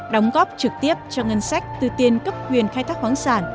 đóng góp trực tiếp cho ngân sách tư tiên cấp quyền khai thác khoáng sản